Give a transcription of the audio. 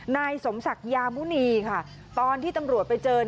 นายสมศักดิ์ยามุณีค่ะตอนที่ตำรวจไปเจอ